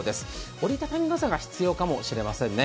折り畳み傘が必要かもしれませんね。